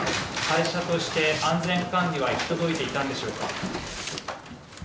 会社として安全管理は行き届いていたんでしょうか？